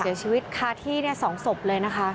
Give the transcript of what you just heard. เสียชีวิตคาที่๒ศพเลยนะคะ